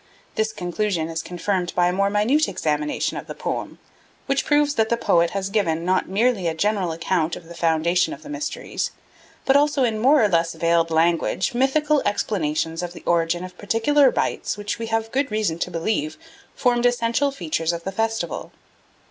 This conclusion is confirmed by a more minute examination of the poem, which proves that the poet has given, not merely a general account of the foundation of the mysteries, but also in more or less veiled language mythical explanations of the origin of particular rites which we have good reason to believe formed essential features of the festival.